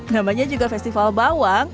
namanya juga festival bawang